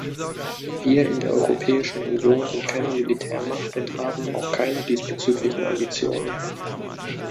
Wir in der Europäischen Union sind keine Militärmacht und haben auch keine diesbezüglichen Ambitionen.